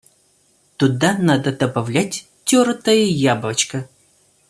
Туда надо добавлять тертое яблочко.